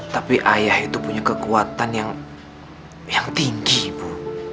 tapi ayah itu punya kekuatan yang tinggi ibu